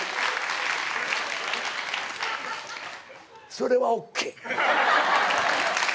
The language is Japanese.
それはＯＫ。